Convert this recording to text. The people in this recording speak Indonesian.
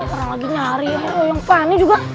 orang lagi nyari oe yang funny juga